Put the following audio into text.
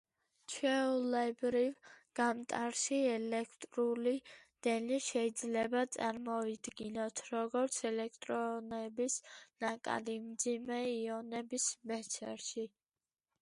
ჩვეულებრივ გამტარში, ელექტრული დენი შეიძლება წარმოვიდგინოთ როგორც ელექტრონების ნაკადი მძიმე იონების მესერში.